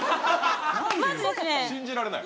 信じられない